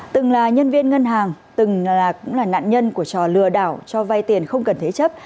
từng là nhân viên ngân hàng cũng là nạn nhân của trò lừa đảo cho vay tiền không cần thế chấp